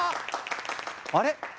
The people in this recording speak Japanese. あれ？